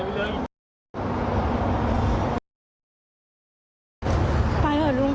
ไปเถอะลุงไปเถอะ